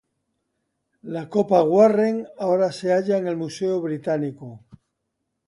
La Copa Warren ahora se halla en el Museo Británico.